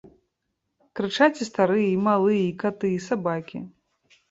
Крычаць і старыя, і малыя, і каты, і сабакі!